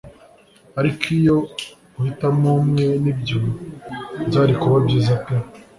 ariko iyo uhitamo umwe niby byari kuba byiza pe